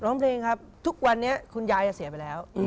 ร้องเพลงครับทุกวันนี้คุณยายเสียไปแล้ว